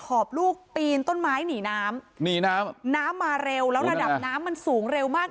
อบลูกปีนต้นไม้หนีน้ำหนีน้ำน้ำมาเร็วแล้วระดับน้ำมันสูงเร็วมาก